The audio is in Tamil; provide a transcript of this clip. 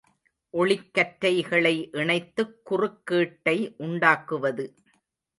ஒளிக்கற்றைகளை இணைத்துக் குறுக் கீட்டை உண்டாக்குவது.